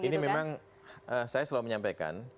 ini memang saya selalu menyampaikan